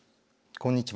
こんにちは。